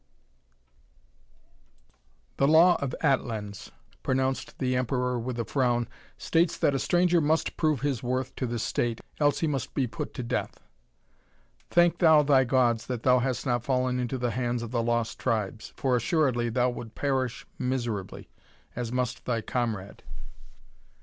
"The law of Atlans," pronounced the Emperor with a frown, "states that a stranger must prove his worth to the State, else he must be put to death. Thank thou thy gods that thou hast not fallen into the hands of the Lost Tribes, for assuredly thou would perish miserably, as must thy comrade."